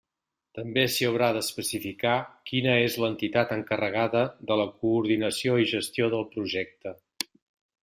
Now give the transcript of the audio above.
També s'hi haurà d'especificar quina és l'entitat encarregada de la coordinació i gestió del projecte.